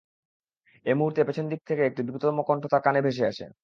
এ মুহূর্তে পেছন দিক হতে একটি দ্রুততম কণ্ঠ তার কানে ভেসে আসে।